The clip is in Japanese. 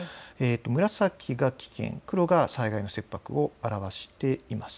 紫が危険、黒が災害の切迫を表しています。